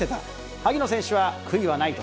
萩野選手は悔いはないと。